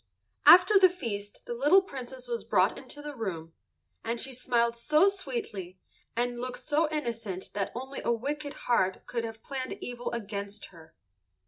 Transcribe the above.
After the feast the little Princess was brought into the room, and she smiled so sweetly and looked so innocent that only a wicked heart could have planned evil against her.